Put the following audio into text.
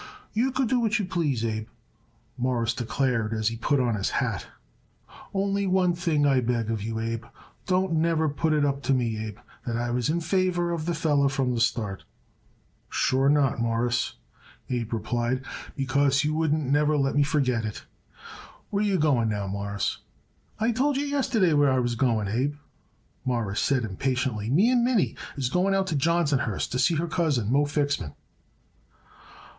"You could do what you please, Abe," Morris declared as he put on his hat. "Only one thing I beg of you, Abe, don't never put it up to me, Abe, that I was in favor of the feller from the start." "Sure not, Mawruss," Abe replied, "because you wouldn't never let me forget it. Where are you going now, Mawruss?" "I told you yesterday where I was going, Abe," Morris said impatiently. "Me and Minnie is going out to Johnsonhurst to see her cousin Moe Fixman."